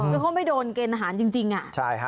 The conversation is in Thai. เขาไม่โดนเกณฑ์ทหารจริงอ่ะ